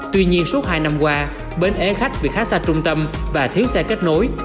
tuy nhiên suốt hai năm qua bến ế khách vì khá xa trung tâm và thiếu xe kết nối